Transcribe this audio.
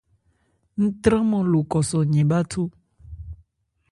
Ń tranman ló kɔ́sɔ yɛn bháthó.